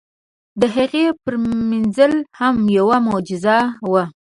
د هغې پرېمنځل هم یوه معجزه وه.